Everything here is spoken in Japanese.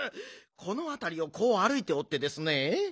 このあたりをこうあるいておってですね。